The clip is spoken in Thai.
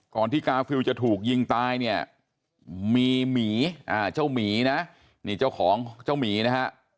ที่กาฟิลจะถูกยิงตายเนี่ยมีหมีเจ้าหมีนะนี่เจ้าของเจ้าหมีนะฮะ